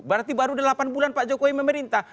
berarti baru delapan bulan pak jokowi memerintah